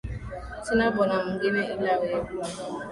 Sina Bwana mwingine ila wewe